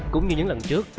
cũng như những lần trước